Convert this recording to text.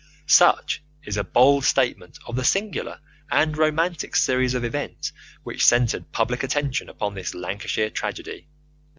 Such is a bald statement of the singular and romantic series of events which centred public attention upon this Lancashire tragedy.